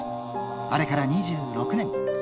あれから２６年。